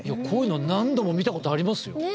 こういうの何度も見たことありますよ。